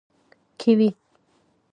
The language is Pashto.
🥝 کیوي